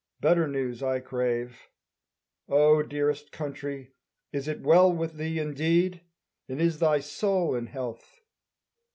Better news I crave. O dearest country, is it well with thee Indeed, and is thy soul in health?